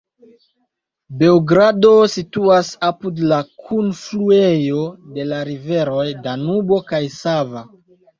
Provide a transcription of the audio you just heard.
Beogrado situas apud la kunfluejo de la riveroj Danubo kaj Sava.